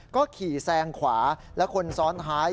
ก็ขี่แซงขวาและคนซ้อนท้าย